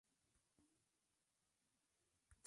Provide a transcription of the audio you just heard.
Además, la banda incluyó un par de estrenos.